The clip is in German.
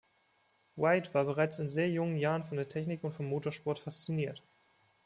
White war bereits in sehr jungen Jahren von der Technik und vom Motorsport fasziniert.